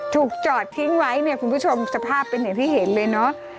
ถูกจอดทิ้งไว้เนี่ยคุณผู้ชมสภาพเป็นอย่างที่เห็นเลยเนอะ